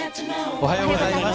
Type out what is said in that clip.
おはようございます。